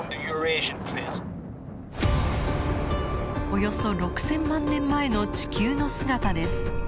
およそ６，０００万年前の地球の姿です。